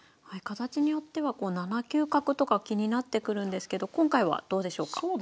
形によっては７九角とか気になってくるんですけど今回はどうでしょうか？